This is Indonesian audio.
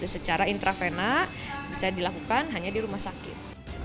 secara intravena bisa dilakukan hanya di rumah sakit